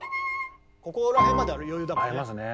ここら辺まである余裕だもんね。